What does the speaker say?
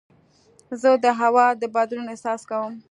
زه د هوا د بدلون احساس کوم.